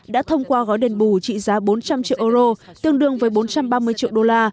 đã thông qua gói đền bù trị giá bốn trăm linh triệu euro tương đương với bốn trăm ba mươi triệu đô la